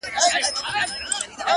o سر مي بلند دی؛